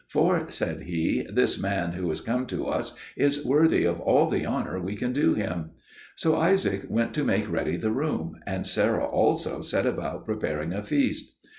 "For," said he, "this man who is come to us is worthy of all the honour we can do him." So Isaac went to make ready the room, and Sarah also set about preparing a feast.